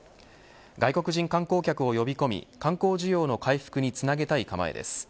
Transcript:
外国人観光客を呼び込み観光需要の回復につなげたい構えです。